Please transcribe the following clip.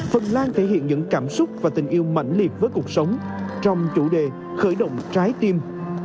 phần lan thể hiện những cảm xúc và tình yêu mạnh liệt với cuộc sống trong chủ đề khởi động trái tim